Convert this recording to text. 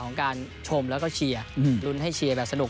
ของการชมแล้วก็เชียร์ลุ้นให้เชียร์แบบสนุก